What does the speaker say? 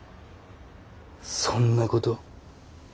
そんなこと？